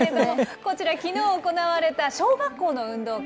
こちら、きのう行われた小学校の運動会。